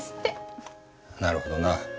なるほどな。